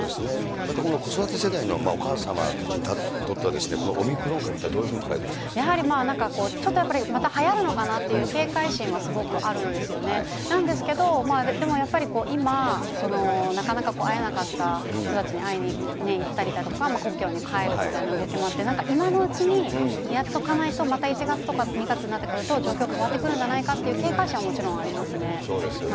また子育て世帯のお母様たちにとっては、オミクロン株というのはやはりまあ、ちょっとやっぱりまたはやるのかなっていう、警戒心はあるんですよね、なんですけど、でもやっぱり今、なかなか会えなかった人たちに会いに行ったりだとか故郷に帰るみたいな動きもあって、なんか今のうちにやっとかないとまた１月とか２月になってくると状況変わってくるんじゃないかっていう警戒そうですよね。